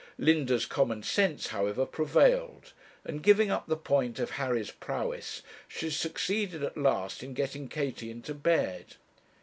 Linda's common sense, however, prevailed, and giving up the point of Harry's prowess, she succeeded at last in getting Katie into bed.